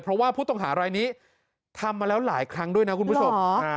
เพราะว่าผู้ต้องหารายนี้ทำมาแล้วหลายครั้งด้วยนะคุณผู้ชม